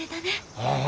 ああ。